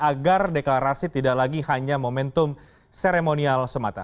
agar deklarasi tidak lagi hanya momentum seremonial semata